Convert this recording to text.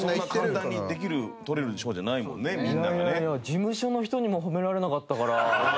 事務所の人にも褒められなかったから。